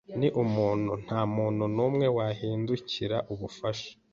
Ni umuntu ntamuntu numwe wahindukirira ubufasha.